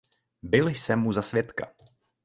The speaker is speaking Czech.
Byl jsem mu za svědka.